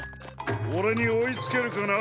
オレにおいつけるかな？